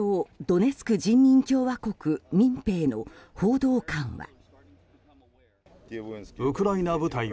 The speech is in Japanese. ドネツク人民共和国民兵の報道官は。